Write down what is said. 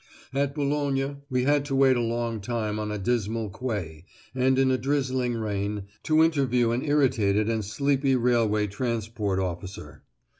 At Boulogne we had to wait a long time on a dismal quay and in a drizzling rain to interview an irritated and sleepy railway transport officer.